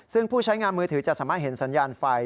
ซึ่งผู้ใช้งานมือถือจะสามารถเห็นสัญญาณไฟ